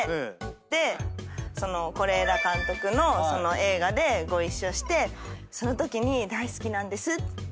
で是枝監督のその映画でご一緒してそのときに大好きなんですって。